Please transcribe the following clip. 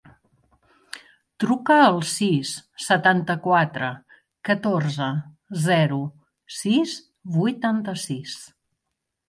Truca al sis, setanta-quatre, catorze, zero, sis, vuitanta-sis.